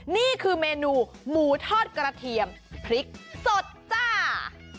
นี่คือเมนูหมูทอดกระเทียมพริกสดจ้า